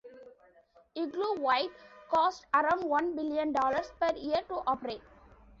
"Igloo White" cost around one billion dollars per year to operate.